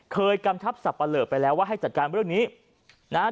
กำชับสับปะเหลอไปแล้วว่าให้จัดการเรื่องนี้นะฮะ